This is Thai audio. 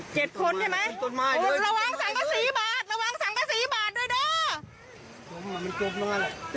จบมามันจบมาแล้ว